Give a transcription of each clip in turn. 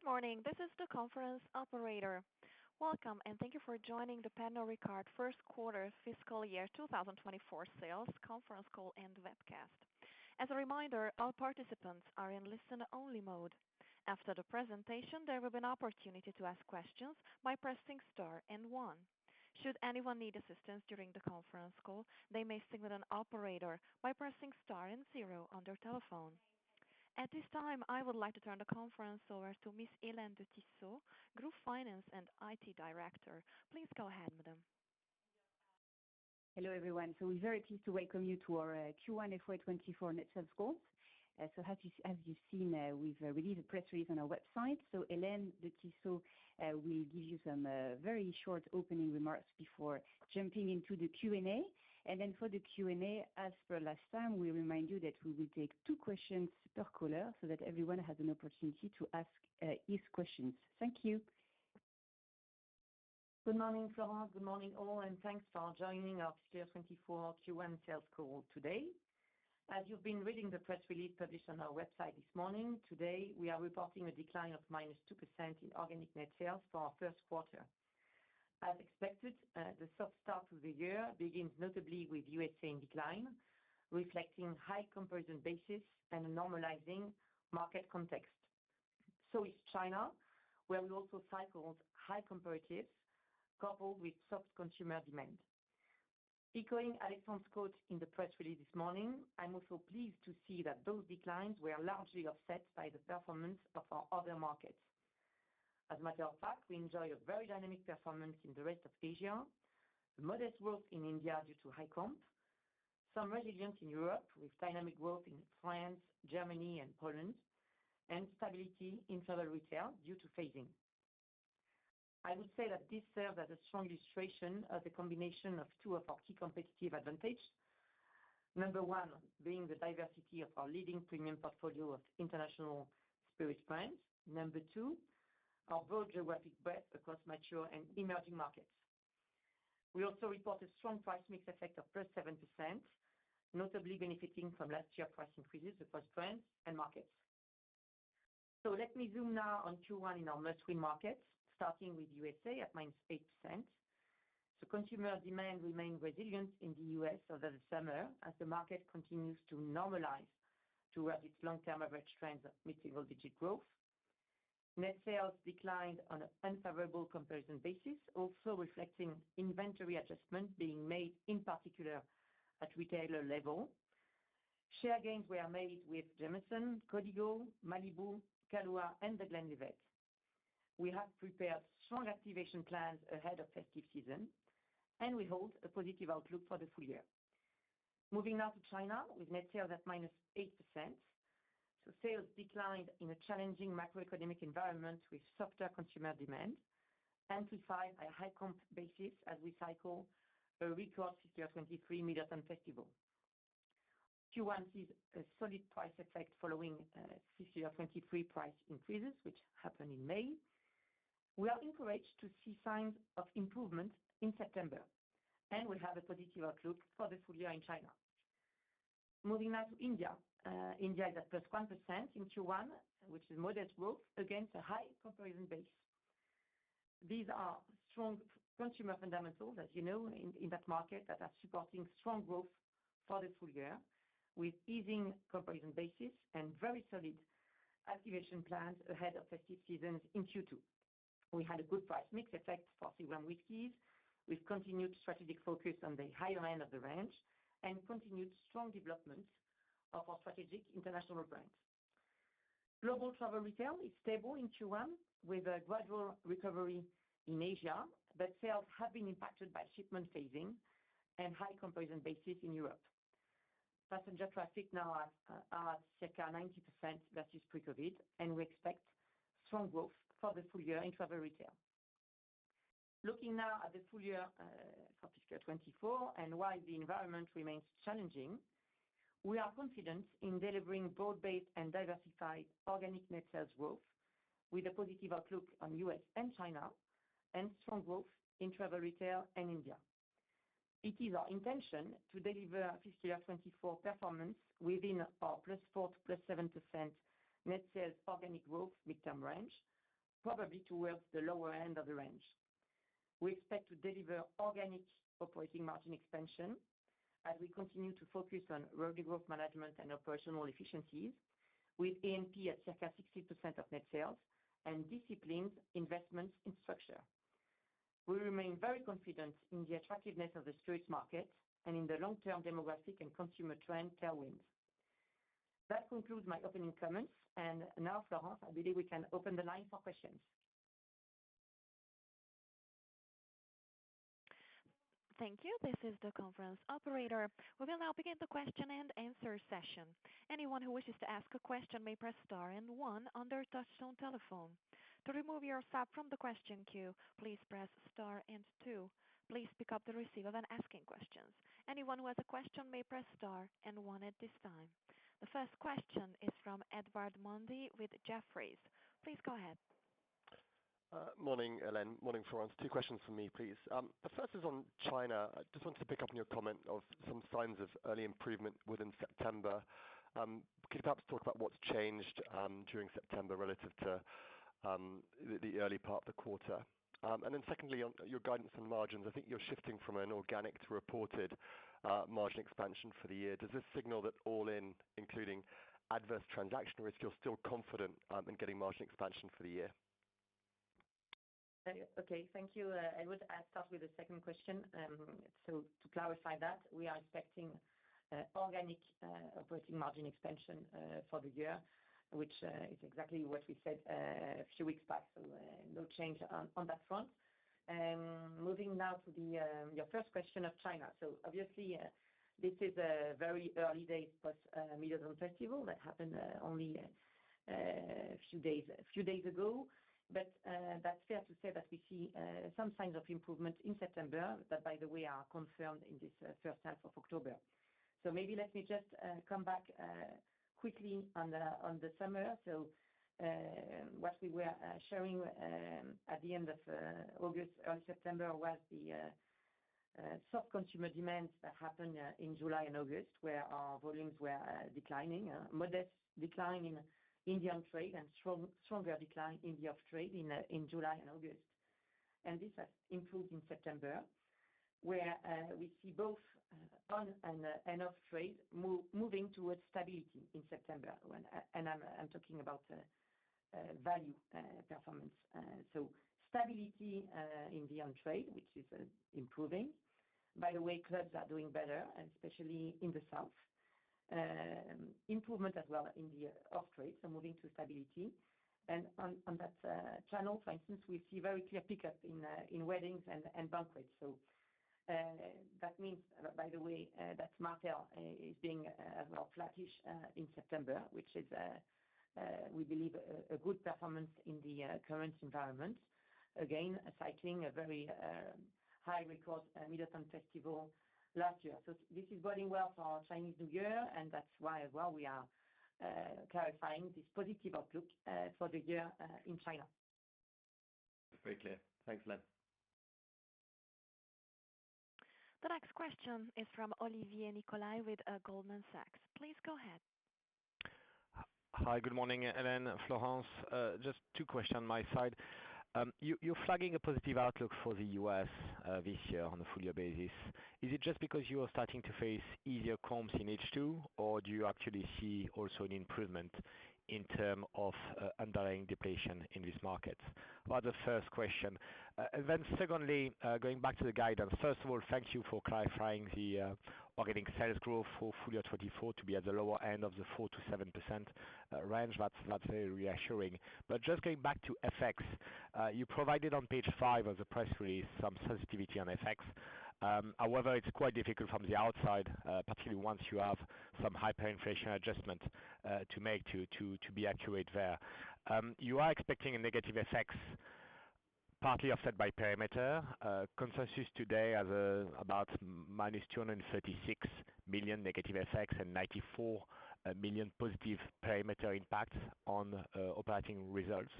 Good morning, this is the conference operator. Welcome, and thank you for joining the Pernod Ricard First Quarter Fiscal Year 2024 Sales Conference Call and Webcast. As a reminder, all participants are in listen-only mode. After the presentation, there will be an opportunity to ask questions by pressing star and one. Should anyone need assistance during the conference call, they may signal an operator by pressing star and zero on their telephone. At this time, I would like to turn the conference over to Ms. Hélène de Tissot, Group Finance and IT Director. Please go ahead, madam. Hello, everyone. We're very pleased to welcome you to our Q1 FY 2024 net sales call. As you've seen, we've released a press release on our website. Hélène de Tissot will give you some very short opening remarks before jumping into the Q&A. For the Q&A, as per last time, we remind you that we will take two questions per caller so that everyone has an opportunity to ask his questions. Thank you. Good morning, Florence. Good morning, all, and thanks for joining our fiscal 2024 Q1 sales call today. As you've been reading the press release published on our website this morning, today, we are reporting a decline of -2% in organic net sales for our first quarter. As expected, the soft start of the year begins notably with USA in decline, reflecting high conversion basis and a normalizing market context. So is China, where we also cycle high comparatives coupled with soft consumer demand. Echoing Alexandre's quote in the press release this morning, I'm also pleased to see that those declines were largely offset by the performance of our other markets. As a matter of fact, we enjoy a very dynamic performance in the rest of Asia, a modest growth in India due to high comp, some resilience in Europe with dynamic growth in France, Germany, and Poland, and stability in travel retail due to phasing. I would say that this serves as a strong illustration of the combination of two of our key competitive advantage. Number one, being the diversity of our leading premium portfolio of international spirit brands. Number two, our broad geographic breadth across mature and emerging markets. We also report a strong price mix effect of +7%, notably benefiting from last year price increases across brands and markets. So let me zoom now on Q1 in our mainstream markets, starting with USA at -8%. Consumer demand remained resilient in the U.S. over the summer as the market continues to normalize towards its long-term average trends of mid-single-digit growth. Net sales declined on an unfavorable comparison basis, also reflecting inventory adjustments being made, in particular at retailer level. Share gains were made with Jameson, Código, Malibu, Kahlúa, and The Glenlivet. We have prepared strong activation plans ahead of festive season, and we hold a positive outlook for the full year. Moving now to China, with net sales at -8%. Sales declined in a challenging macroeconomic environment with softer consumer demand, amplified by high comp basis as we cycle a record fiscal 2023 Mid-Autumn Festival. Q1 sees a solid price effect following fiscal 2023 price increases, which happened in May. We are encouraged to see signs of improvement in September, and we have a positive outlook for the full year in China. Moving now to India. India is at +1% in Q1, which is modest growth against a high comparison base. These are strong consumer fundamentals, as you know, in that market, that are supporting strong growth for the full year, with easing comparison basis and very solid activation plans ahead of festive seasons in Q2. We had a good price mix effect for premium whiskeys, with continued strategic focus on the higher end of the range, and continued strong development of our strategic international brands. Global Travel Retail is stable in Q1, with a gradual recovery in Asia, but sales have been impacted by shipment phasing and high comparison basis in Europe. Passenger traffic now are, are at circa 90% versus pre-COVID, and we expect strong growth for the full year in travel retail. Looking now at the full year, for fiscal 2024, and while the environment remains challenging, we are confident in delivering broad-based and diversified organic net sales growth, with a positive outlook on U.S. and China, and strong growth in travel retail and India. It is our intention to deliver fiscal 2024 performance within our +4% to +7% net sales organic growth midterm range, probably towards the lower end of the range. We expect to deliver organic operating margin expansion as we continue to focus on revenue growth management and operational efficiencies, with A&P at circa 60% of net sales and disciplined investments in structure. We remain very confident in the attractiveness of the spirits market and in the long-term demographic and consumer trend tailwinds. That concludes my opening comments. Now, Florence, I believe we can open the line for questions. Thank you. This is the conference operator. We will now begin the question and answer session. Anyone who wishes to ask a question may press Star and One on their touchtone telephone. To remove yourself from the question queue, please press Star and two. Please pick up the receiver when asking questions. Anyone who has a question may press Star and One at this time. The first question is from Edward Mundy with Jefferies. Please go ahead. Morning, Hélène, morning, Florence. Two questions for me, please. The first is on China. I just wanted to pick up on your comment of some signs of early improvement within September. Could you perhaps talk about what's changed during September relative to the early part of the quarter? And then secondly, on your guidance on margins, I think you're shifting from an organic to reported margin expansion for the year. Does this signal that all-in, including adverse transaction risk, you're still confident in getting margin expansion for the year? Okay. Thank you, Edward. I'll start with the second question. So to clarify that, we are expecting organic operating margin expansion for the year, which is exactly what we said a few weeks back, so no change on that front. Moving now to your first question of China. So obviously, this is a very early date, but Mid-Autumn Festival that happened only a few days ago. But that's fair to say that we see some signs of improvement in September, that, by the way, are confirmed in this first half of October. So maybe let me just come back quickly on the summer. So, what we were showing at the end of August, early September, was the soft consumer demands that happened in July and August, where our volumes were declining. A modest decline in the on-trade and stronger decline in the off-trade in July and August. And this has improved in September, where we see both on and off-trade moving towards stability in September. And I'm talking about value performance. So stability in the on-trade, which is improving. By the way, clubs are doing better, especially in the south. Improvement as well in the off-trade, so moving to stability. And on that channel, for instance, we see very clear pickup in weddings and banquets. So, that means, by the way, that market is being well, flattish in September, which is, we believe, a good performance in the current environment. Again, cycling a very high record Mid-Autumn Festival last year. So this is boding well for our Chinese New Year, and that's why, as well, we are clarifying this positive outlook for the year in China. Very clear. Thanks, Hélène. The next question is from Olivier Nicolaï, with Goldman Sachs. Please go ahead. Hi, good morning, Hélène, Florence. Just two questions on my side. You, you're flagging a positive outlook for the U.S., this year on a full year basis. Is it just because you are starting to face easier comps in H2, or do you actually see also an improvement in term of, underlying deflation in this market? That the first question. And then secondly, going back to the guidance. First of all, thank you for clarifying the, organic sales growth for full year 2024 to be at the lower end of the 4%-7% range. That's, that's very reassuring. But just going back to FX, you provided on page 5 of the press release some sensitivity on FX. However, it's quite difficult from the outside, particularly once you have some hyperinflation adjustment to make to be accurate there. You are expecting a negative FX, partly offset by perimeter. Consensus today has about -236 million negative FX and 94 million positive perimeter impact on operating results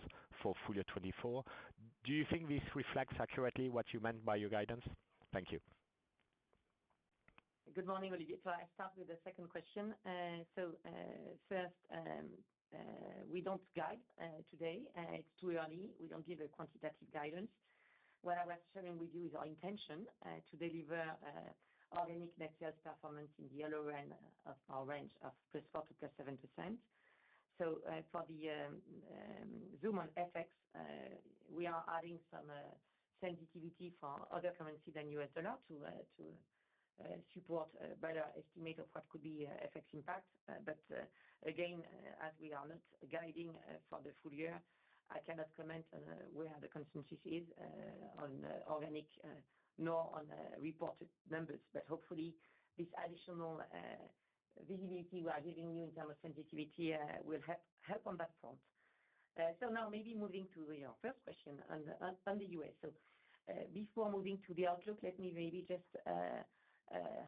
for full year 2024. Do you think this reflects accurately what you meant by your guidance? Thank you. Good morning, Olivier. So I start with the second question. So, first, we don't guide today. It's too early. We don't give a quantitative guidance. What I was sharing with you is our intention to deliver organic net sales performance in the lower end of our range of +4%-+7%. So, for the zoom on FX, we are adding some sensitivity for other currency than U.S. dollar to support a better estimate of what could be FX impact. But again, as we are not guiding for the full year, I cannot comment on where the consensus is on organic nor on reported numbers. But hopefully, this additional visibility we are giving you in terms of sensitivity will help on that front. So now maybe moving to your first question on the U.S. So, before moving to the outlook, let me maybe just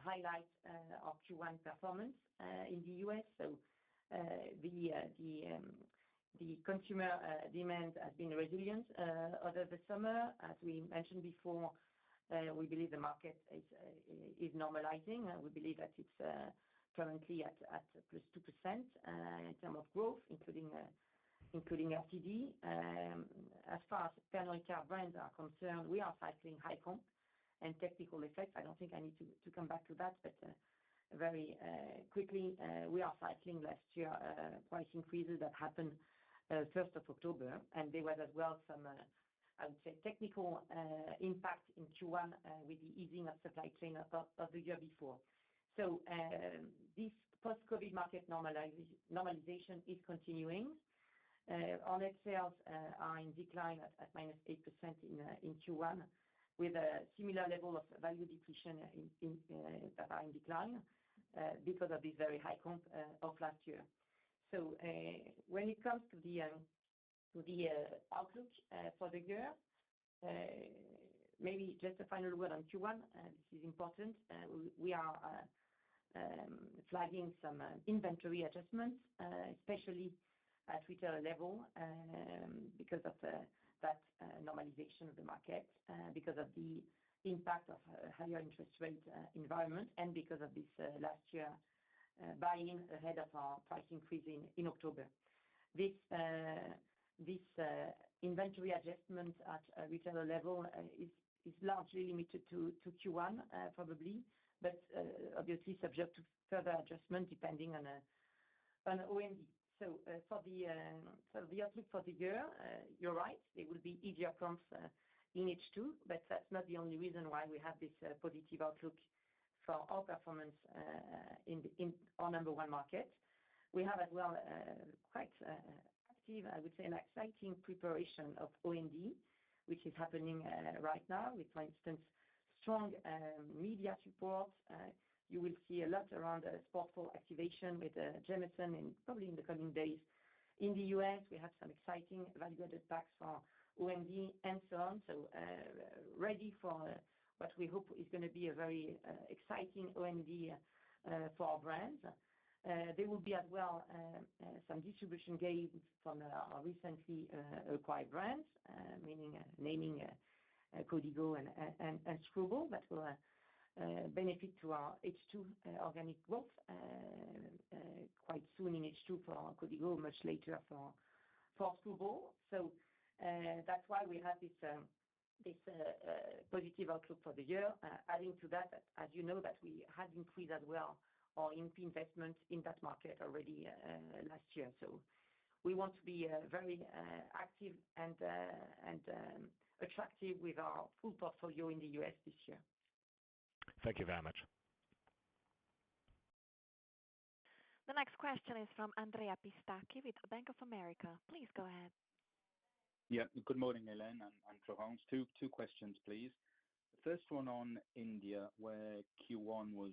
highlight our Q1 performance in the U.S. So, the consumer demand has been resilient over the summer. As we mentioned before, we believe the market is normalizing, and we believe that it's currently at +2% in terms of growth, including RTD. As far as Pernod Ricard brands are concerned, we are cycling high comp and technical effects. I don't think I need to come back to that, but very quickly, we are cycling last year's price increases that happened first of October, and there were as well some I would say technical impact in Q1 with the easing of supply chain of the year before. So, this post-COVID market normalization is continuing. Our net sales are in decline at -8% in Q1, with a similar level of value depletion in are in decline because of this very high comp of last year. So, when it comes to the outlook for the year. Maybe just a final word on Q1, this is important. We are flagging some inventory adjustments, especially at retail level, because of that normalization of the market, because of the impact of higher interest rate environment, and because of this last year buying ahead of our price increase in October. This inventory adjustment at a retailer level is largely limited to Q1, probably, but obviously subject to further adjustment depending on OND. So, for the so the outlook for the year, you're right, it will be easier comps in H2, but that's not the only reason why we have this positive outlook for our performance in our number one market. We have as well quite active, I would say, an exciting preparation of OND, which is happening right now with, for instance, strong media support. You will see a lot around retail activation with Jameson in probably in the coming days. In the U.S., we have some exciting value-added packs for OND and so on. So, ready for what we hope is gonna be a very exciting OND for our brands. There will be as well some distribution gains from our recently acquired brands, meaning Código and Skrewball. That will benefit to our H2 organic growth quite soon in H2 for Código, much later for Skrewball. So, that's why we have this positive outlook for the year. Adding to that, as you know, that we had increased as well our investment in that market already last year. So we want to be very active and attractive with our full portfolio in the U.S. this year. Thank you very much. The next question is from Andrea Pistacchi with Bank of America. Please go ahead. Yeah. Good morning, Hélène and Florence. Two questions, please. The first one on India, where Q1 was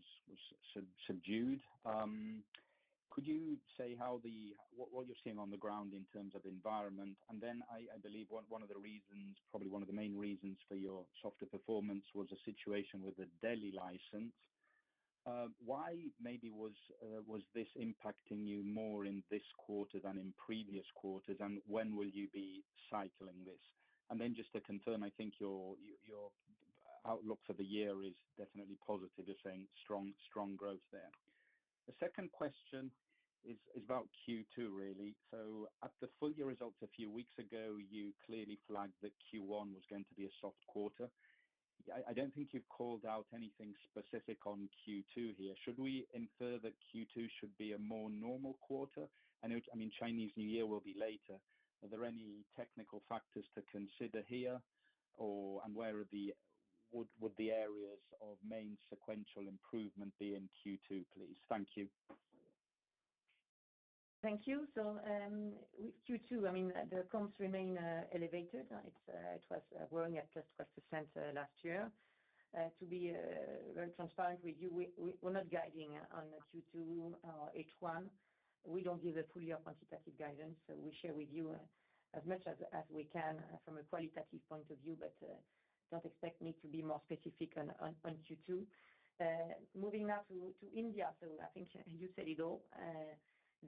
subdued. Could you say what you're seeing on the ground in terms of environment? And then I believe one of the main reasons for your softer performance was the situation with the Delhi license. Why was this impacting you more in this quarter than in previous quarters, and when will you be cycling this? And then just to confirm, I think your outlook for the year is definitely positive, you're saying strong growth there. The second question is about Q2, really. So at the full year results a few weeks ago, you clearly flagged that Q1 was going to be a soft quarter. I don't think you've called out anything specific on Q2 here. Should we infer that Q2 should be a more normal quarter? I know, I mean, Chinese New Year will be later. Are there any technical factors to consider here or, and where would the areas of main sequential improvement be in Q2, please? Thank you. Thank you. So, with Q2, I mean, the comps remain elevated. It was growing at just plus percent last year. To be very transparent with you, we're not guiding on Q2 or H1. We don't give a full year quantitative guidance, so we share with you as much as we can from a qualitative point of view, but don't expect me to be more specific on Q2. Moving now to India. So I think you said it all.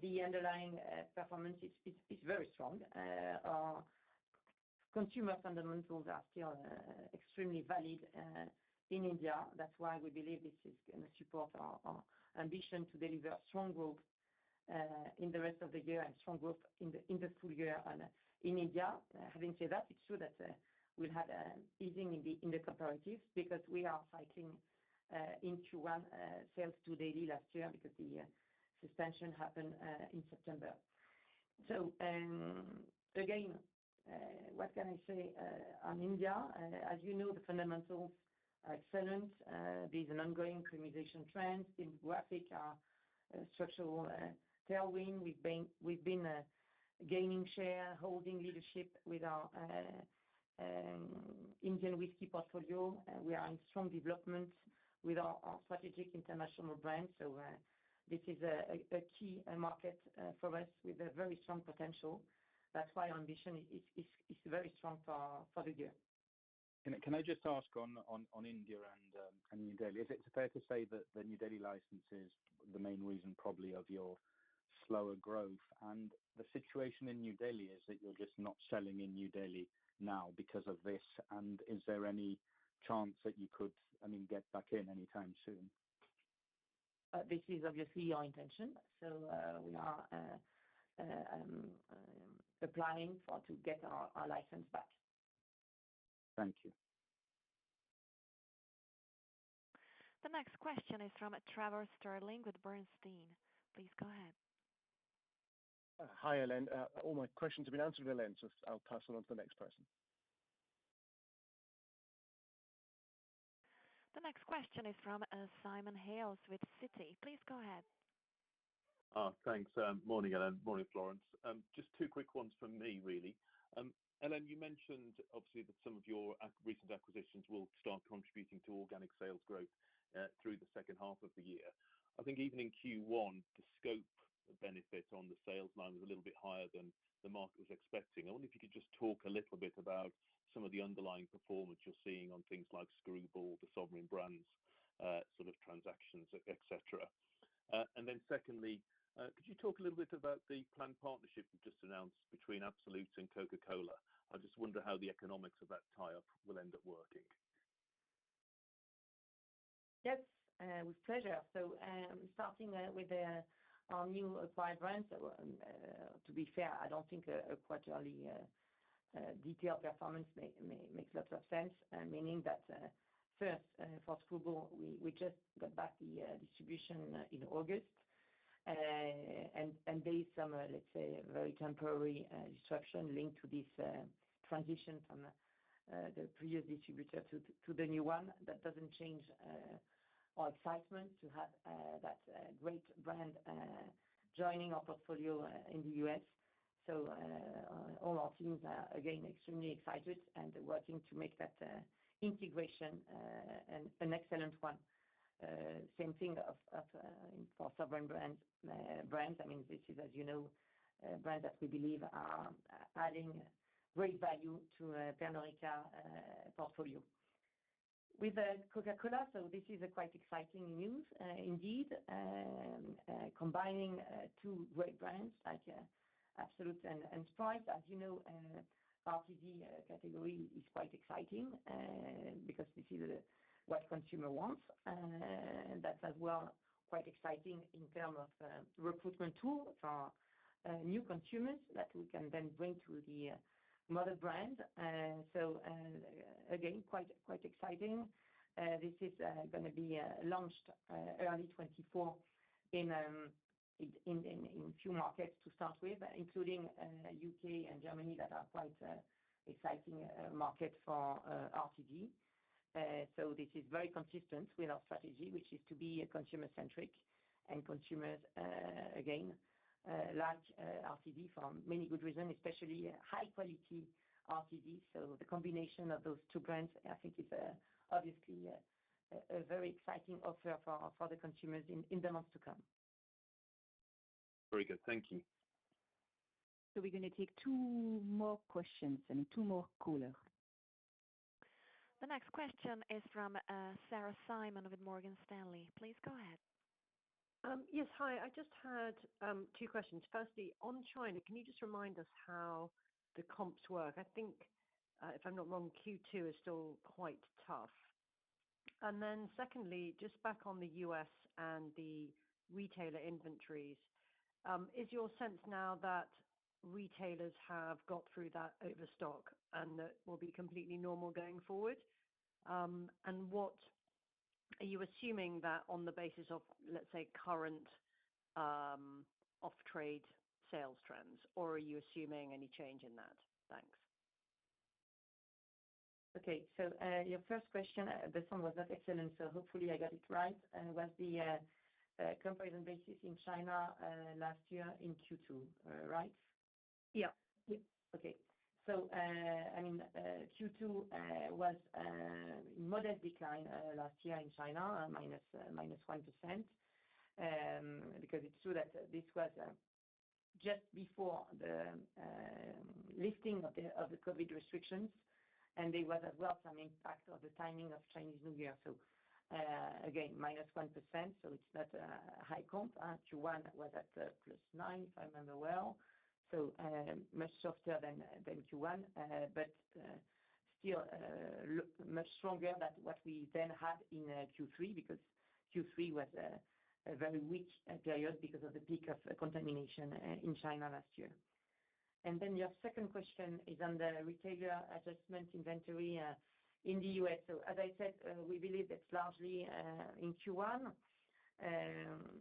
The underlying performance is very strong. Our consumer fundamentals are still extremely valid in India. That's why we believe this is gonna support our ambition to deliver strong growth in the rest of the year and strong growth in the full year and in India. Having said that, it's true that we'll have an easing in the comparatives because we are cycling into sales to Delhi last year because the suspension happened in September. So, again, what can I say on India? As you know, the fundamentals are excellent. There's an ongoing premiumization trend. Demographic are a structural tailwind. We've been gaining share, holding leadership with our Indian whiskey portfolio. We are in strong development with our strategic international brands. So, this is a key market for us with a very strong potential. That's why our ambition is very strong for the year. Can I just ask on India and New Delhi, is it fair to say that the New Delhi license is the main reason, probably, of your slower growth? And the situation in New Delhi is that you're just not selling in New Delhi now because of this, and is there any chance that you could, I mean, get back in anytime soon? This is obviously our intention, so, we are applying for to get our license back. Thank you. The next question is from Trevor Stirling with Bernstein. Please go ahead. Hi, Hélène. All my questions have been answered, Hélène, so I'll pass on to the next person. The next question is from, Simon Hales with Citi. Please go ahead. Thanks. Morning, Hélène, morning, Florence. Just two quick ones from me, really. Hélène, you mentioned obviously that some of your recent acquisitions will start contributing to organic sales growth through the second half of the year. I think even in Q1, the scope of benefit on the sales line was a little bit higher than the market was expecting. I wonder if you could just talk a little bit about some of the underlying performance you're seeing on things like Skrewball, the Sovereign Brands sort of transactions, et cetera. And then secondly, could you talk a little bit about the planned partnership you just announced between Absolut and Coca-Cola? I just wonder how the economics of that tie-up will end up working. Yes, with pleasure. So, starting with our new acquired brands, to be fair, I don't think a quarterly detailed performance makes lots of sense. Meaning that, first, for Skrewball, we just got back the distribution in August. And there is some, let's say, very temporary disruption linked to this transition from the previous distributor to the new one. That doesn't change our excitement to have that great brand joining our portfolio in the U.S. So, all our teams are, again, extremely excited and working to make that integration an excellent one. Same thing for Sovereign Brands brands. I mean, this is, as you know, brands that we believe are adding great value to Pernod Ricard portfolio. With Coca-Cola, so this is quite exciting news, indeed. Combining two great brands like Absolut and Sprite, as you know, RTD category is quite exciting, because this is what consumer wants. And that's as well, quite exciting in term of recruitment tool for new consumers that we can then bring to the mother brand. So, again, quite exciting. This is gonna be launched early 2024 in few markets to start with, including U.K. and Germany, that are quite exciting market for RTD. So this is very consistent with our strategy, which is to be consumer-centric. Consumers, again, like RTD for many good reasons, especially high quality RTD. The combination of those two brands, I think, is obviously a very exciting offer for the consumers in the months to come. Very good. Thank you. We're gonna take two more questions, I mean, two more callers. The next question is from Sarah Simon with Morgan Stanley. Please go ahead. Yes, hi. I just had two questions. Firstly, on China, can you just remind us how the comps work? I think, if I'm not wrong, Q2 is still quite tough. And then secondly, just back on the U.S. and the retailer inventories. Is your sense now that retailers have got through that overstock and that will be completely normal going forward? And what are you assuming that on the basis of, let's say, current off-trade sales trends, or are you assuming any change in that? Thanks. Okay. So, your first question, the sound was not excellent, so hopefully I got it right. Was the comparison basis in China last year in Q2 right? Yeah. Yep, okay. So, I mean, Q2 was a modest decline last year in China, -1%. Because it's true that this was just before the lifting of the COVID restrictions, and there was as well some impact of the timing of Chinese New Year. So, again, -1%, so it's not a high comp. Q1 was at +9, if I remember well. So, much softer than Q1, but still look much stronger than what we then had in Q3, because Q3 was a very weak period because of the peak of contamination in China last year. And then your second question is on the retailer adjustment inventory in the U.S. So as I said, we believe it's largely in Q1.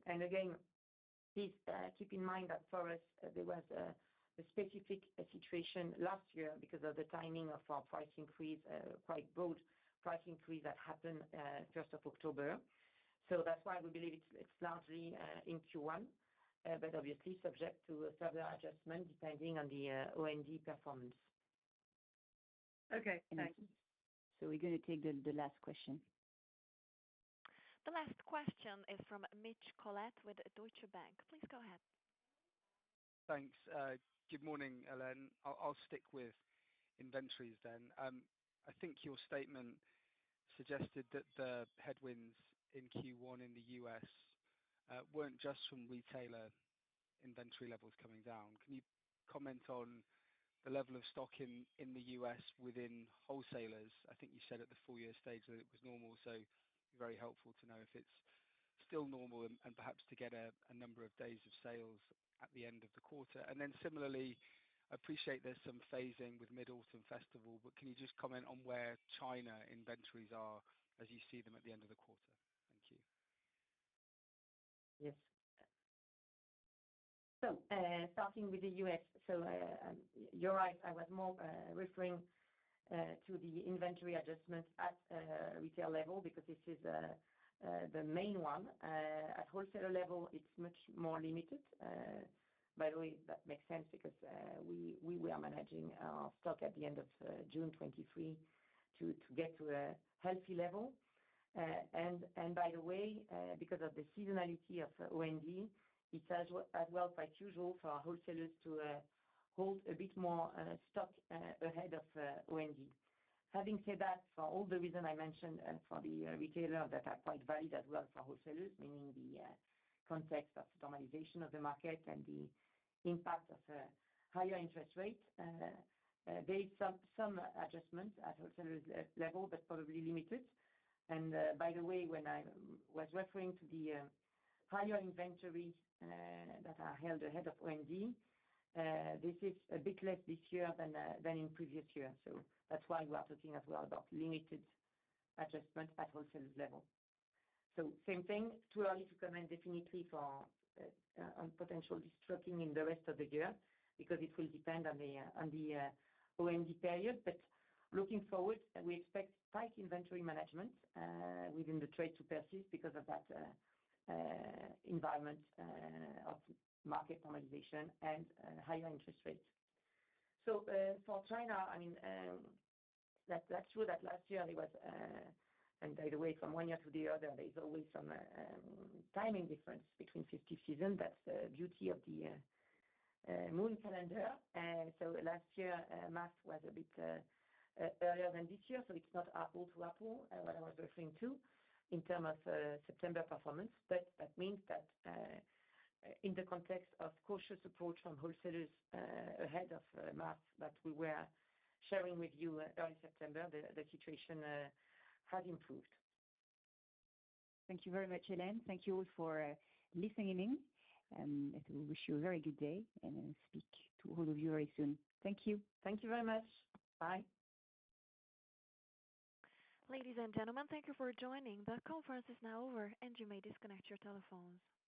And again, please keep in mind that for us, there was a specific situation last year because of the timing of our price increase, quite bold price increase that happened first of October. So that's why we believe it's largely in Q1, but obviously subject to further adjustment depending on the OND performance. Okay, thanks. So we're gonna take the last question. The last question is from Mitch Collett with Deutsche Bank. Please go ahead. Thanks. Good morning, Hélène. I'll, I'll stick with inventories then. I think your statement suggested that the headwinds in Q1 in the U.S. weren't just from retailer inventory levels coming down. Can you comment on the level of stock in the U.S. within wholesalers? I think you said at the full year stage that it was normal, so very helpful to know if it's still normal and perhaps to get a number of days of sales at the end of the quarter. And then similarly, I appreciate there's some phasing with Mid-Autumn Festival, but can you just comment on where China inventories are, as you see them at the end of the quarter? Thank you. Yes. So, starting with the U.S. So, you're right, I was more referring to the inventory adjustment at retail level, because this is the main one. At wholesaler level, it's much more limited. By the way, that makes sense because we were managing our stock at the end of June 2023 to get to a healthy level. By the way, because of the seasonality of OND, it's as well quite usual for our wholesalers to hold a bit more stock ahead of OND. Having said that, for all the reasons I mentioned, for the retailer that are quite valid as well for wholesalers, meaning the context of the normalization of the market and the impact of higher interest rates, there is some adjustments at wholesalers level, but probably limited. And, by the way, when I was referring to the higher inventories that are held ahead of OND, this is a bit less this year than in previous years. So that's why we are talking as well about limited adjustment at wholesalers level. So same thing, too early to comment definitively on potential de-stocking in the rest of the year, because it will depend on the OND period. Looking forward, we expect tight inventory management within the trade to persist because of that environment of market normalization and higher interest rates. For China, I mean, that's true, that last year there was a... And by the way, from one year to the other, there is always some timing difference between festive season. That's the beauty of the moon calendar. So last year MAF was a bit earlier than this year, so it's not apples to apples what I was referring to in terms of September performance. But that means that in the context of cautious approach from wholesalers ahead of March that we were sharing with you early September, the situation has improved. Thank you very much, Hélène. Thank you all for listening in, and we wish you a very good day and speak to all of you very soon. Thank you. Thank you very much. Bye. Ladies and gentlemen, thank you for joining. The conference is now over, and you may disconnect your telephones.